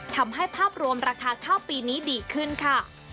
ทำให้ภาพรวมราคาข้าวปีนี้ดีขึ้นค่ะ